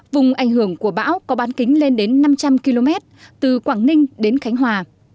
vùng ảnh hưởng của bão có bán kính lên đến năm trăm linh km từ quảng ninh đến khánh hòa